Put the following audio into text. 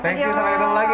thank you sampai jumpa lagi